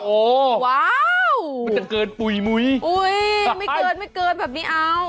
โอ้วววเหมือนจะเกินปุ่ยอุ้ยไม่เกินแบบนี้เอา